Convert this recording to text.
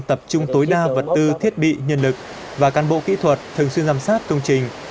tập trung tối đa vật tư thiết bị nhân lực và cán bộ kỹ thuật thường xuyên giám sát công trình